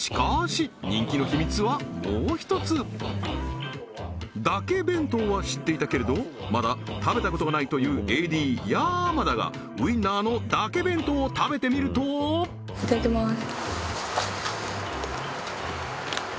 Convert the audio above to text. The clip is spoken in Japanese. しかしだけ弁当は知っていたけれどまだ食べたことがないというＡＤ山田がウインナーのだけ弁当を食べてみるといただきます